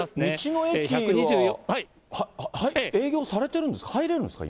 道の駅、営業されてるんですか？